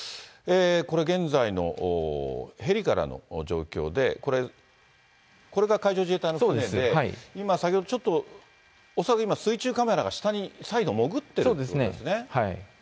これ、現在のヘリからの状況で、これが海上自衛隊の船で、今先ほど、ちょっと恐らく今、水中カメラが下に、再度潜ってるということでそうですね。